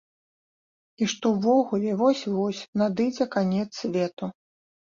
І што ўвогуле вось-вось надыдзе канец свету.